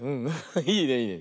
いいねいいね。